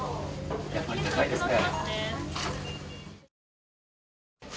やっぱり、高いですね。